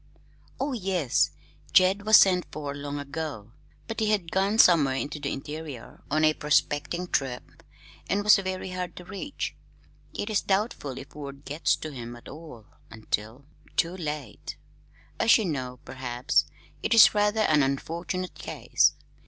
"Oh, yes. Jed was sent for long ago, but he had gone somewhere into the interior on a prospecting trip, and was very hard to reach. It is doubtful if word gets to him at all until too late. As you know, perhaps, it is rather an unfortunate case.